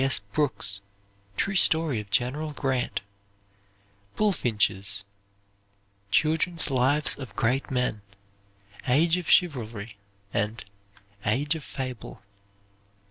E. S. Brooks, "True Story of General Grant." Bulfinch's "Children's Lives of Great Men," "Age of Chivalry," and "Age of Fable."